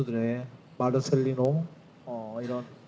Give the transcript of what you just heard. saya ingin memberi pengetahuan kepada para pemain timnas indonesia